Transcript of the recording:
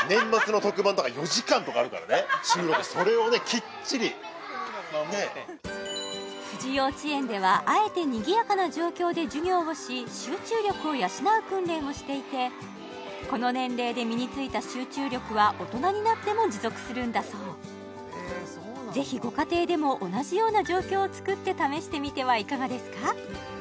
きっちり守ってふじようちえんではあえて賑やかな状況で授業をし集中力を養う訓練をしていてこの年齢で身についた集中力は大人になっても持続するんだそうぜひご家庭でも同じような状況を作って試してみてはいかがですか？